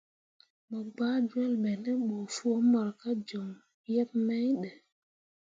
Mo gɓah jol be ne ɓə foo mor ka joŋ yebmain ɗə.